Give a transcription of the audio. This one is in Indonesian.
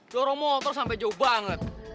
dorong motor sampai jauh banget